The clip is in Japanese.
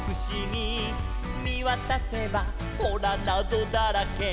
「みわたせばほらなぞだらけ」